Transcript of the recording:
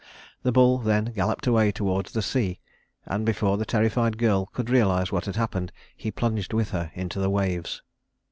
The bull then galloped away toward the sea, and before the terrified girl could realize what had happened he plunged with her into the waves.